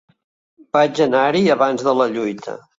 Vaig anar-hi abans de la lluita